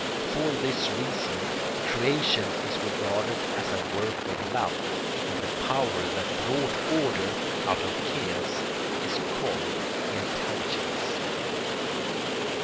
For this reason creation is regarded as a work of love, and the power that brought order out of chaos is called intelligence.